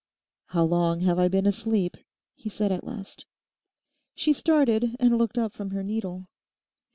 'How long have I been asleep?' he said at last. She started and looked up from her needle.